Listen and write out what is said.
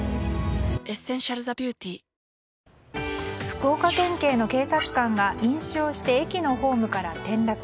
福岡県警の警察官が飲酒をして駅のホームから転落。